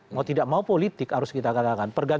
mau tidak mau politik harus kita katakan